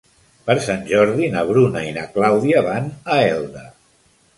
Per Sant Jordi na Bruna i na Clàudia van a Elda.